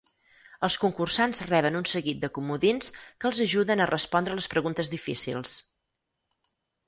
Els concursants reben un seguit de comodins que els ajuden a respondre les preguntes difícils.